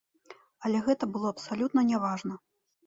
Але гэта было абсалютна няважна.